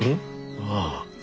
ああ。